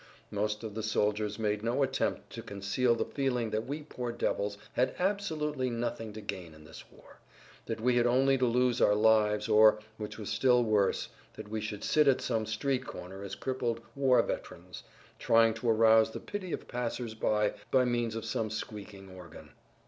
Most of the soldiers made no attempt to conceal the feeling that we poor devils had absolutely nothing to gain in this war, that we had only to lose our lives or, which was still worse, that we should sit at some street corner as crippled "war veterans" trying to arouse the pity of passers by by means of some squeaking organ.